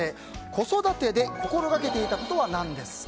子育てで心がけていたことは何ですか？